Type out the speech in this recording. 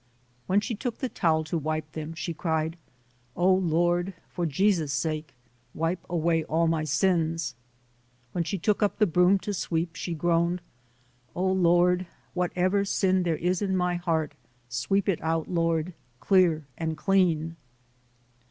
When she took the towel to wipe them, she cried, "O Lord, for Jesus' sake, wipe away all my sins". When she took up the broom to sweep, she groaned, "O Lord, whatever sin there is in my heart, sweep it out, Lord, clear and clean".